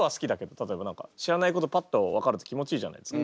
例えば何か知らないことパッと分かると気持ちいいじゃないですか。